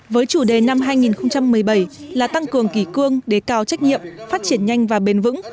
với chủ đề năm hai nghìn một mươi bảy là tăng cường kỳ cương đề cao trách nhiệm phát triển nhanh và bền vững